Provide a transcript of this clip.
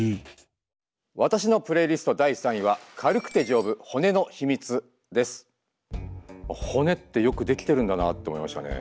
わたしのプレイリスト第３位は骨ってよくできてるんだなって思いましたね。